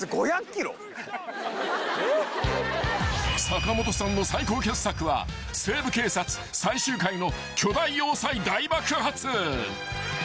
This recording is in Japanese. ［坂本さんの最高傑作は『西部警察』最終回の巨大要塞大爆発］